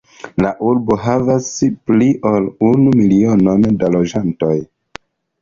La urbo havas pli ol unu milionon da loĝantoj.